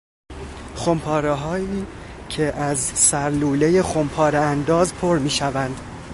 خمپارههایی که از سر لولهی خمپاره انداز پر میشوند